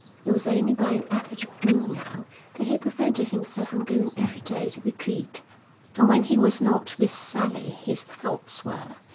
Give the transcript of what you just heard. It was only by an effort of will now that he prevented himself from going every day to the creek, and when he was not with Sally his thoughts were.